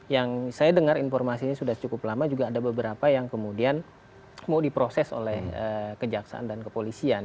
yang saya dengar informasinya sudah cukup lama juga ada beberapa yang kemudian mau diproses oleh kejaksaan dan kepolisian